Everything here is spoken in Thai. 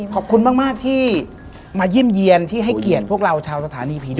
ขอบคุณมากที่มาเยี่ยมเยี่ยนที่ให้เกียรติพวกเราชาวสถานีผีดุ